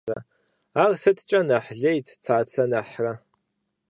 Ар сыткӏэ нэхъ лейт Цацэ нэхърэ?